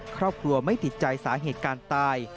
ครอบครัวไม่ติดใจสาเหตุการตาย